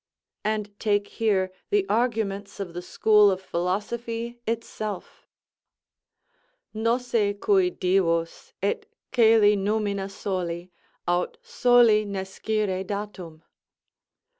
And take here the arguments of the school of philosophy itself: Nosse cui divos et coli munina soli, Aut soli nescire, datum.